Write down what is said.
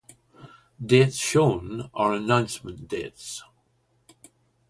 "Dates shown are announcement dates"